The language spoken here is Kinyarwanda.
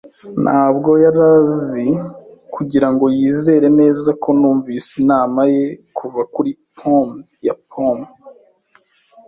Ntabwo yari azi, kugirango yizere neza ko numvise inama ye kuva kuri pome ya pome,